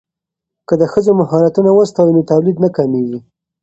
که د ښځو مهارتونه وستایو نو تولید نه کمیږي.